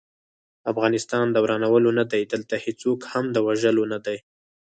افغانستان د ورانولو نه دی، دلته هيڅوک هم د وژلو نه دی